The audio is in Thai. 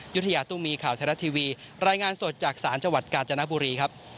ยุธยาตุ้มีข่าวไทยรัฐทีวีรายงานสดจากศาลจังหวัดกาญจนบุรีครับ